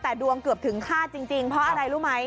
แต่ดวงเกือบถึงฆาตจริงเพราะอะไรรู้ไหม